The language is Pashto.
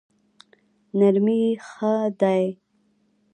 نرمي ښه دی.